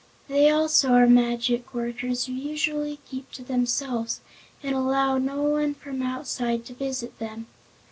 They also are magic workers and usually keep to themselves and allow no one from outside to visit them.